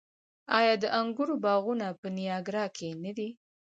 آیا د انګورو باغونه په نیاګرا کې نه دي؟